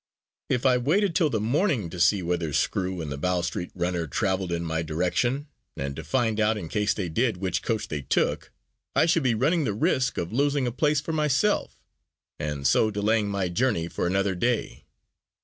If I waited till the morning to see whether Screw and the Bow Street runner traveled in my direction, and to find out, in case they did, which coach they took, I should be running the risk of losing a place for myself, and so delaying my journey for another day.